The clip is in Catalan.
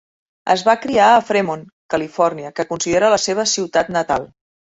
Es va criar a Fremont, Califòrnia, que considera la seva ciutat natal.